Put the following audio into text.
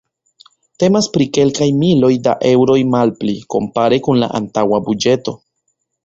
Temas pri kelkaj miloj da eŭroj malpli, kompare kun la antaŭa buĝeto.